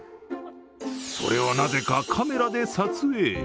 それを、なぜかカメラで撮影。